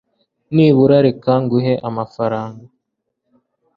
nibura reka nguhe amafaranga